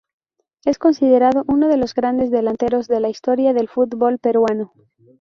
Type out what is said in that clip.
Es considerado uno de los grandes delanteros de la historia del fútbol peruano.